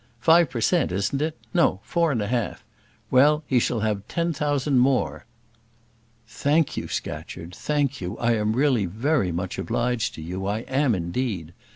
Five per cent., isn't it? No, four and a half. Well, he shall have ten thousand more." "Thank you, Scatcherd, thank you, I am really very much obliged to you, I am indeed.